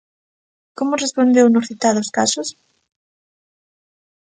¿Como respondeu nos citados casos?